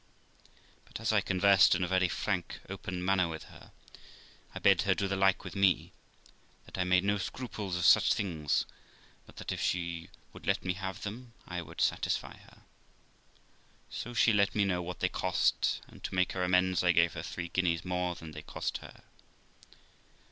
But as I conversed in a very frank, open manner with her, I bid her, do the like with me; that I made no scruples of such things, but that if she would let me have them I would satisfy her. So she let me know THE LIFE OF ROXANA 319 what they cost, and to make her amends I gave her three guineas more than they cost her.